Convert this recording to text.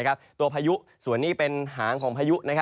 พายุส่วนนี้เป็นหางของพายุ